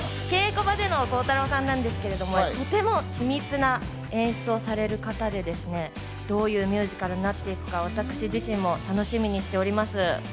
稽古場での鋼太郎さんなんですが、とても緻密な演出をされる方でですね、どういうミュージカルになっているか、私自身も楽しみにしております。